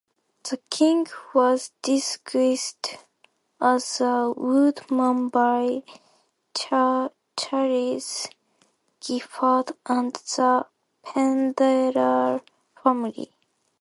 The King was disguised as a woodman by Charles Giffard and the Penderel family.